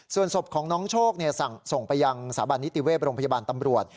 ส่วนศพของน้องโชคส่งไปยังสถาบันนิติเวศโรงพยาบาลตำรวจ